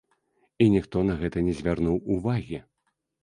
І ніхто на гэта не звярнуў увагі!